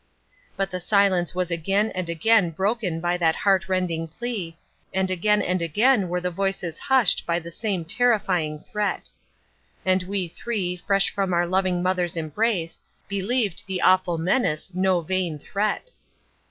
But the silence was again and again broken by that heart rending plea, and again and again were the voices hushed by the same terrifying threat. And we three, fresh from our loving mother's embrace, believed the awful menace no vain threat.